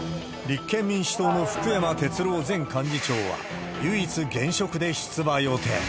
立憲民主党の福山哲郎前幹事長は、唯一現職で出馬予定。